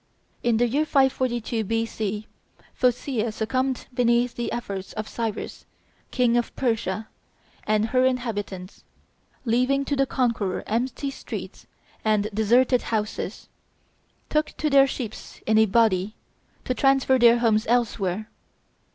In the year 542 B.C., Phocea succumbed beneath the efforts of Cyrus, King of Persia, and her inhabitants, leaving to the conqueror empty streets and deserted houses, took to their ships in a body, to transfer their homes elsewhere.